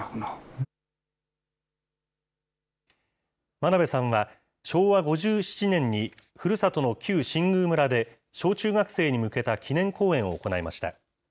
真鍋さんは、昭和５７年にふるさとの旧新宮村で、小中学生に向けた記念講演を行いました。